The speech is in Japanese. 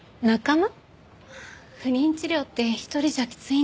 不妊治療って一人じゃきついんですよ。